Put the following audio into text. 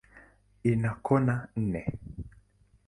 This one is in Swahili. Ina kona nne.